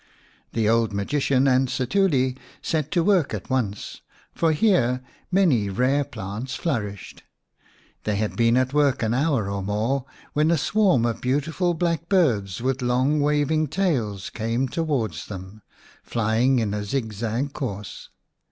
The old magician and Setuli set to work at once, for here many rare plants flourished. They had been at work an hour or more when a swarm of beautiful black birds with long waving tails came towards them, flying in a zigzag course.